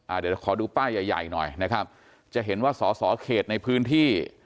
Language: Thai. เดี๋ยวขอดูป้ายใหญ่ใหญ่หน่อยนะครับจะเห็นว่าสอสอเขตในพื้นที่